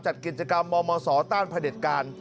จัดกิจกรรมมศต้านผนิตการ